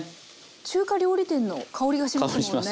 中華料理店の香りがしますもんね